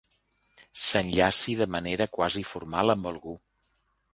S'enllaci de manera quasi formal amb algú.